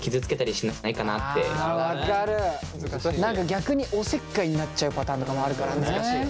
何か逆におせっかいになっちゃうパターンとかもあるから難しいよね。